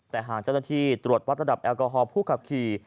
แต่หากเจ้าหน้าที่ตรวจวัดระดับแอลกอฮอล์ผู้ขับขี่